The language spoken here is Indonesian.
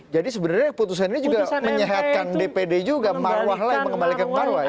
jadi sebenarnya putusan ini juga menyehatkan dpd juga maruah lagi mengembalikan maruah ya